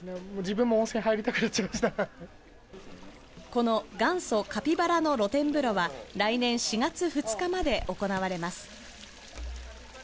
この元祖カピバラの露天風呂は来年４月２日まで行われます。